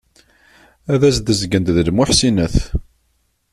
Ad as-d-zgent d lmuḥsinat.